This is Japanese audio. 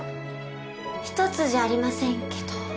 一つじゃありませんけど。